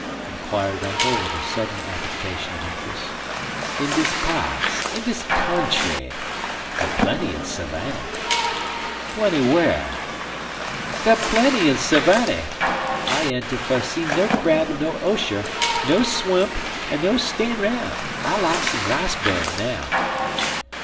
inquired Uncle with a sudden affectation of interest. "In dis pa'ts. In dis country. Da plenty in Sawanny." "Plenty whar?" "Da plenty in Sawanny. I enty fer see no crab an' no oscher; en swimp, he no stay 'roun'. I lak some rice bud now."